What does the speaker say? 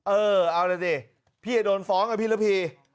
เออเอาล่ะสิพี่จะโดนฟ้องกับพี่ระพี